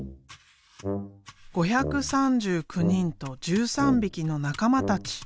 ５３９人と１３びきの仲間たち。